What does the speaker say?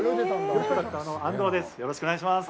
安藤です、よろしくお願いします。